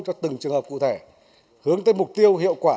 cho từng trường hợp cụ thể hướng tới mục tiêu hiệu quả